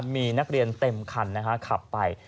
มีนักเรียนเต็มคันขับไป